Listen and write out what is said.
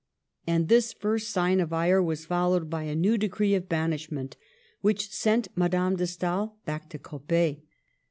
And this first sign of ire was followed by a new decree of banishment, which sent Ma dame de Stael back to Coppet.